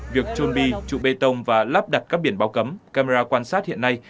việc trôn bi trụ bê tông và lắp đặt các biển báo cấm camera quan sát hiện nay